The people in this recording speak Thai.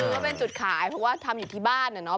ก็เป็นจุดขายเพราะว่าทำอยู่ที่บ้านนะเนาะ